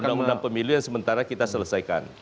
undang undang pemilu yang sementara kita selesaikan